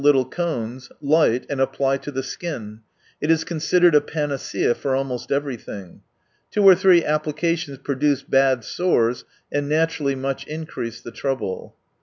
e cones, light, and apply to the skin. It is considered a panacea for almost everything. Two or three applications produce bad sores, and naturally much increase the trouble.